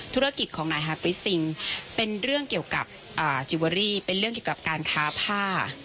ธุรกิจของนายฮาปริสติงเป็นเรื่องเกี่ยวกับจิเวอรี่เป็นเรื่องเกี่ยวกับการค้าผ้า